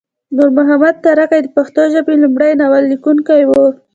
نور محمد ترکی د پښتو ژبې لمړی ناول لیکونکی وه